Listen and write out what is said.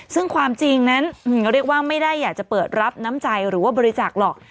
ซึ่งความจริงนั้นเรียกว่าไม่ได้อยากจะเปิดรับน้ำใจหรือว่าบริจาคหรอก